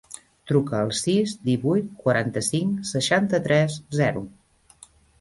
Truca al sis, divuit, quaranta-cinc, seixanta-tres, zero.